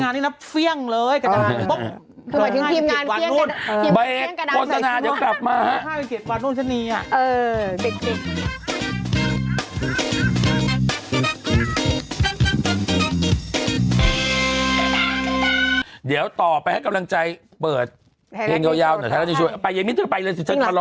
เดี๋ยวต่อไปให้กำลังใจเปิดเพลงยาวในช่วงไปยังมิ้นที่ไปเลยสิเธอรอ